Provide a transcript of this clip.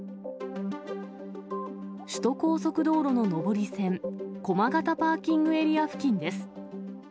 首都高速道路の上り線、駒形パーキングエリア付近です。